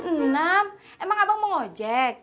emang abang mau ojak